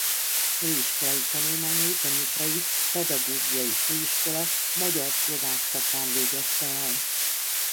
Főiskolai tanulmányait a Nyitrai Pedagógiai Főiskola magyar-szlovák szakán végezte el.